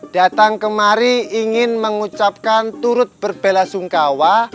datang kemari ingin mengucapkan turut berbela sungkawa